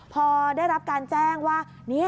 พอได้รับการแจ้งว่า